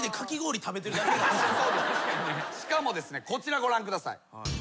しかもですねこちらご覧ください。